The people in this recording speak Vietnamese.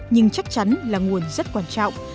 nhưng chắc chắn là nguồn rất quan trọng